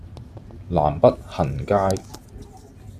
南北行街